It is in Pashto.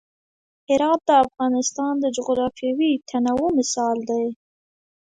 هرات د افغانستان د جغرافیوي تنوع مثال دی.